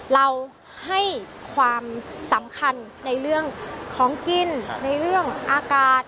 เราให้ความสำคัญในเรื่องของกินในเรื่องอากาศ